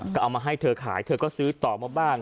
ก็เอามาให้เธอขายเธอก็ซื้อต่อมาบ้าง